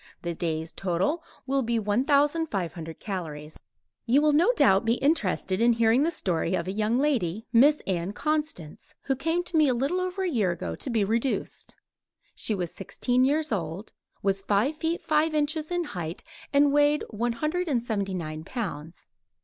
The day's total will be 1500 calories. You will no doubt be interested in hearing the story of a young lady, Miss Ann Constance, who came to me a little over a year ago to be reduced. She was sixteen years old, was five feet five inches in height and weighed one hundred and seventy nine pounds.